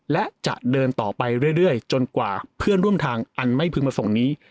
และจะเดินต่อไปเรื่อยจนกว่าเพื่อนร่วมทางอันไม่พึงมาส่งนี้